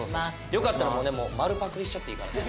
よかったら丸パクリしちゃっていいからね。